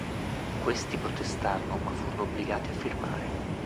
Questi protestarono ma furono obbligati a firmare.